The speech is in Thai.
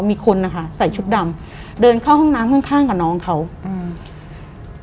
มีคนนะคะใส่ชุดดำเดินเข้าห้องน้ำข้างข้างกับน้องเขาอืม